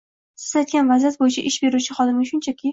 Siz aytgan vaziyat bo‘yicha ish beruvchi xodimga shunchaki